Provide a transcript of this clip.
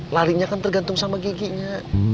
larinya kan tergantung sama giginya